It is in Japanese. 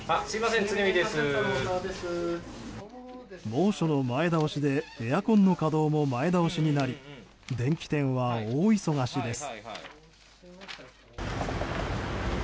猛暑の前倒しでエアコンの稼働も前倒しになり電気店は大忙しです。